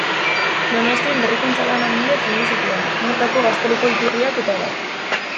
Donostian berrikuntza-lan handiak egin zituen: Motako gazteluko iturriak, eta abar.